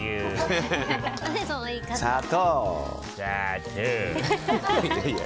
砂糖。